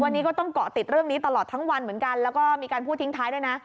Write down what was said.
วันนี้ก็ต้องเกาะติดเรื่องนี้ตลอดทั้งวันเหมือนกันแล้วก็มีการพูดทิ้งท้ายด้วยนะ